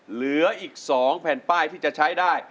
เหลืออีก๒แผ่นป้ายที่จะใช้ได้